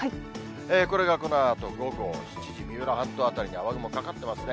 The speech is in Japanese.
これがこのあとの午後７時、三浦半島辺り、雨雲かかってますね。